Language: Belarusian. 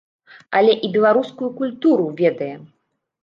Але і беларускую культуру ведае.